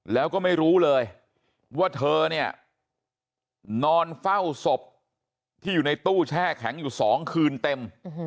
แล้วก็ไม่รู้เลยว่าเธอเนี่ยนอนเฝ้าศพที่อยู่ในตู้แช่แข็งอยู่๒คืนเต็ม